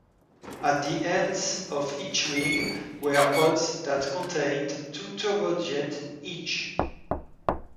At the ends of each wing were pods that contained two turbojets each.